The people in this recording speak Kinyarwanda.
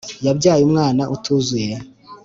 Yabyaye umwana utuzuye